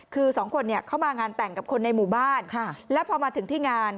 คือสองคนเนี่ยเข้ามางานแต่งกับคนในหมู่บ้านแล้วพอมาถึงที่งาน